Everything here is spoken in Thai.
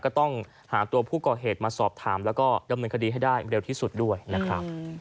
ก็ต้องหาตัวผู้ก่อเหตุมาสอบถามแล้วก็ดำเนินคดีให้ได้เร็วที่สุดด้วยนะครับ